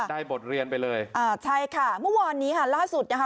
บทเรียนไปเลยอ่าใช่ค่ะเมื่อวานนี้ค่ะล่าสุดนะคะ